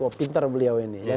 oh pintar beliau ini